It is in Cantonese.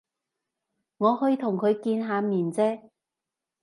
我去同佢見下面啫